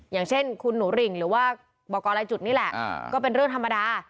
อย่างเช่นคุณหนูริ่งหรือว่าบอกกรรายจุดนี่แหละก็เป็นเรื่องธรรมดา